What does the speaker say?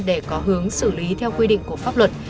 để có hướng xử lý theo quy định của pháp luật